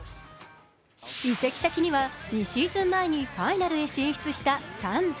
移籍先には２シーズン前にファイナルへ進出したサンズ。